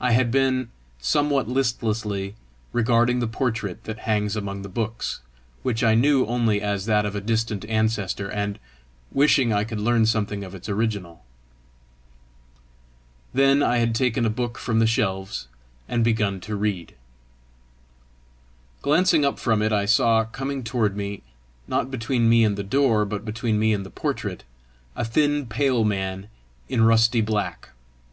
I had been, somewhat listlessly, regarding the portrait that hangs among the books, which I knew only as that of a distant ancestor, and wishing I could learn something of its original. Then I had taken a book from the shelves and begun to read. Glancing up from it, I saw coming toward me not between me and the door, but between me and the portrait a thin pale man in rusty black.